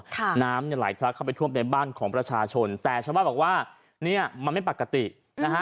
น้ำเนี่ยไหลทะเข้าไปท่วมในบ้านของประชาชนแต่ชาวบ้านบอกว่าเนี่ยมันไม่ปกตินะฮะ